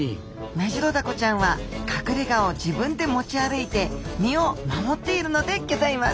メジロダコちゃんは隠れがを自分で持ち歩いて身を守っているのでぎょざいます。